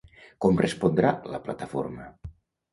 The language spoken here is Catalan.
Com respondrà la plataforma?